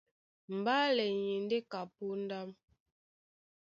Mbálɛ ni e ndé ka póndá.